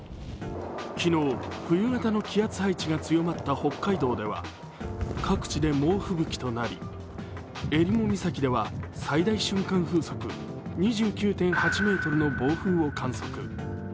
昨日、冬型の気圧配置が強まった北海道では各地で猛吹雪となりえりも岬では最大瞬間風速２９．８メートルの暴風を観測。